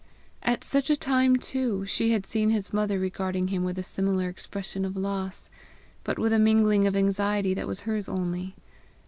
At such a time, too, she had seen his mother regarding him with a similar expression of loss, but with a mingling of anxiety that was hers only.